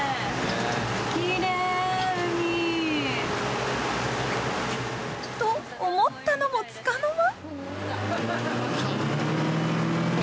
きれい、海。と、思ったのもつかの間。